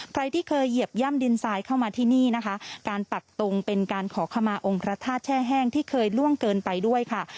ใครที่เคยเหยียบย่ำดินทรายเข้ามาที่นี่นะคะการปักตุงเป็นการขอขมาองค์พระธาตุแช่แห้งที่เคยล่วงเกินไปด้วยค่ะ